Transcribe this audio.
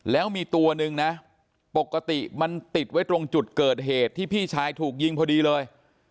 แล้วมีตัวหนึ่งนะปกติมันติดไว้ตรงจุดเกิดเหตุที่พี่ชายถูกยิงพอดีเลย